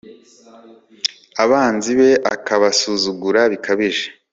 abanzi be akabasuzugura bikabije